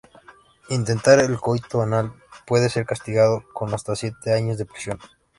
Intentar el coito anal puede ser castigado con hasta siete años de prisión.